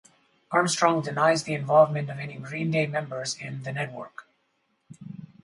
Armstrong denies the involvement of any Green Day members in The Network.